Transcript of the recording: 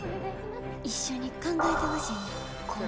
一緒に考えてほしいねん。